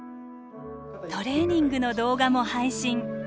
トレーニングの動画も配信。